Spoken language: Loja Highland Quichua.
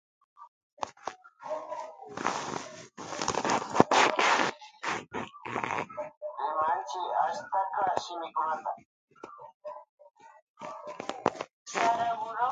Ñuka allukuka mikun llullu chuklluta.